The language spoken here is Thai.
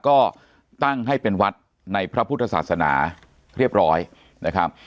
ก็ตั้งให้เป็นวัดในพระพุทธศาสนาเรียบร้อยนะครับ